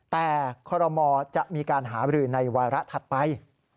แต่คอรมอจะมีการหาบรือในวาระถัดไป